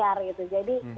jadi ini yang menyesalkan